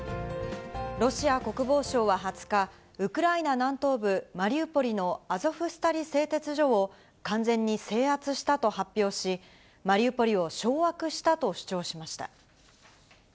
ロシア国防省は２０日、ウクライナ南東部マリウポリのアゾフスタリ製鉄所を、完全に制圧したと発表し、マリウポリを掌握したと主張しました。